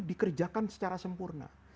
dikerjakan secara sempurna